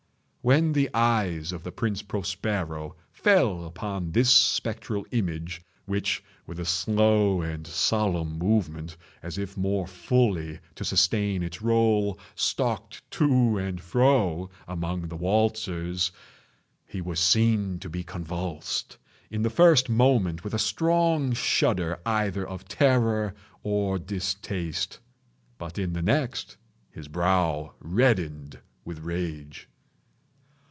When the eyes of Prince Prospero fell upon this spectral image (which with a slow and solemn movement, as if more fully to sustain its role, stalked to and fro among the waltzers) he was seen to be convulsed, in the first moment with a strong shudder either of terror or distaste; but, in the next, his brow reddened with rage.